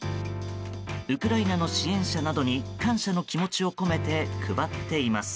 ウクライナの支援者などに感謝の気持ちを込めて配っています。